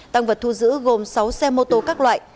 tăng vật thu giữ gồm sáu xe mô tô các loại